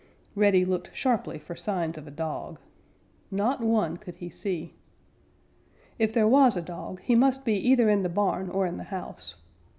Reddy looked sharply for signs of a dog. Not one could he see. If there was a dog, he must be either in the barn or in the house.